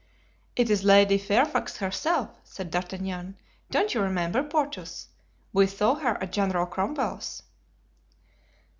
"It is Lady Fairfax herself," said D'Artagnan. "Don't you remember, Porthos, we saw her at General Cromwell's?"